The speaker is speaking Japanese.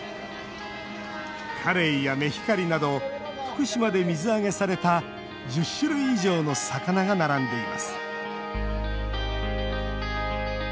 カレイやメヒカリなど福島で水揚げされた１０種類以上の魚が並んでいます。